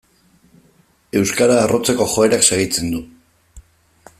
Euskara arrotzeko joerak segitzen du.